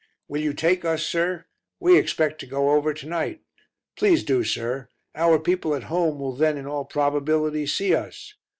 "Will you take us, sir? We expect to go over to night. Please do, sir; our people at home will then in all probability see us.